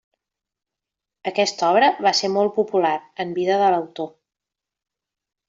Aquesta obra va ser molt popular en vida de l'autor.